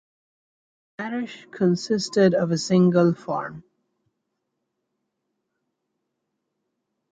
The parish consisted of a single farm.